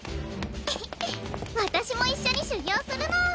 フフっ私も一緒に修行するの！